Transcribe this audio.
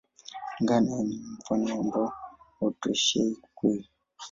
Kulingana na yeye, ni mfano ambao hautoshei ukweli.